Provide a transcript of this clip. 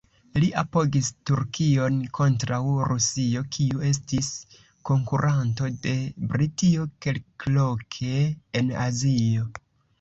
Li apogis Turkion kontraŭ Rusio, kiu estis konkuranto de Britio kelkloke en Azio.